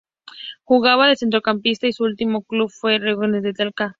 Jugaba de centrocampista y su último club fue Rangers de Talca.